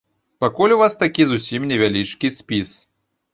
Пакуль у вас такі зусім невялічкі спіс.